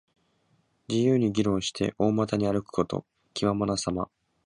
自由に議論して、大股に歩くこと。気ままなさま。